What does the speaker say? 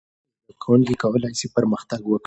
زده کوونکي کولای سي پرمختګ وکړي.